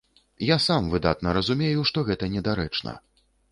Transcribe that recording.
Я сам выдатна разумею, што гэта недарэчна.